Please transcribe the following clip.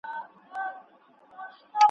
چي هر څومره درڅرګند سم بیا مي هم نه سې لیدلای .